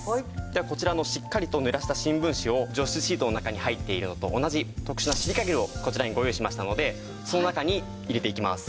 ではこちらのしっかりとぬらした新聞紙を除湿シートの中に入っているのと同じ特殊なシリカゲルをこちらにご用意しましたのでその中に入れていきます。